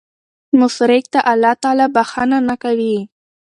مشرک ته الله تعالی بخښنه نه کوي